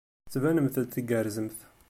Tettbanemt-d tgerrzemt.